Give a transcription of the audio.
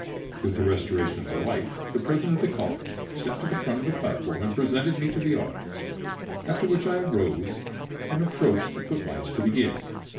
With the restoration of the light the president of the college stepped to the front of the platform and presented me to the audience, after which I rose and approached the footlights to begin.